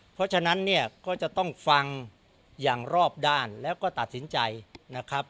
เพราะฉะนั้นเนี่ยก็จะต้องฟังอย่างรอบด้านแล้วก็ตัดสินใจนะครับ